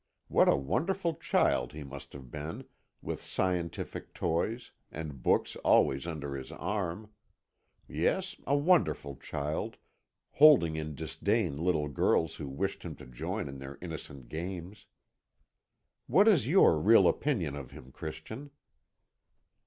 What a wonderful child he must have been with scientific toys, and books always under his arm yes, a wonderful child, holding in disdain little girls who wished him to join in their innocent games. What is your real opinion of him, Christian?"